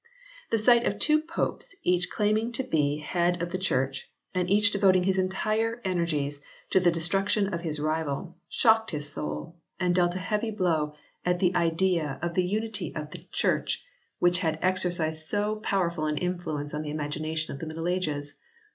The sight of two Popes each claiming to be Head of the Church, and each devoting his entire energies to the destruction of his rival, shocked his soul, and dealt a heavy blow at that idea of the Unity of the Church 22 20 HISTORY OF THE ENGLISH BIBLE [OH. which had exercised so powerful an influence on the imagination of the Middle Ages.